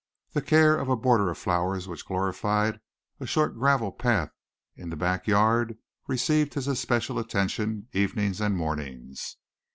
The care of a border of flowers which glorified a short gravel path in the back yard received his especial attention evenings and mornings.